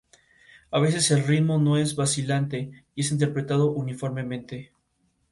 A veces, el ritmo no es vacilante y es interpretado uniformemente.